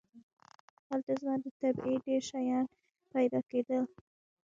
هلته زما د طبعې ډېر شیان پیدا کېدل.